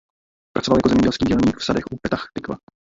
Pracoval jako zemědělský dělník v sadech u Petach Tikva.